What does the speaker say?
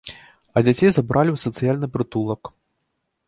А дзяцей забралі ў сацыяльны прытулак.